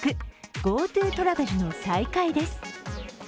ＧｏＴｏトラベルの再開です。